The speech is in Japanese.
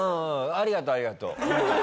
ありがとうありがとう。